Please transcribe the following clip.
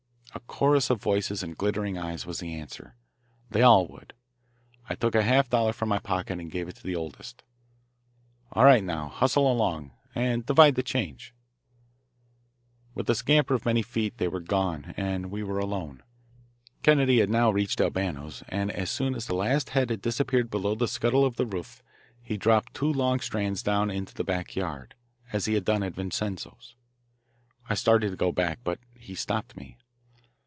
A chorus of voices and glittering eyes was the answer. They all would. I took a half dollar from my pocket and gave it to the oldest. "All right now, hustle along, and divide the change." With the scamper of many feet they were gone, and we were alone. Kennedy had now reached Albano's, and as soon as the last head had disappeared below the scuttle of the roof he dropped two long strands down into the back yard, as he had done at Vincenzo's. I started to go back, but he stopped me.